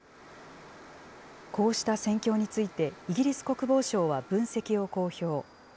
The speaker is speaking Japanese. こうした戦況について、イギリス国防省は分析を公表。